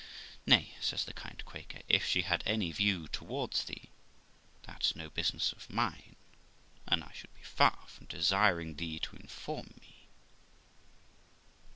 'Nay' says the kind Quaker, 'if she had any view towards thee, that's no business of mine ; and I should be far from desiring thee to inform me.'